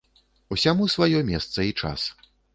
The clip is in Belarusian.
Усяму сваё месца і час.